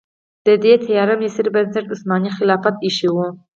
د دې تیاره مسیر بنسټ عثماني خلافت ایښی و.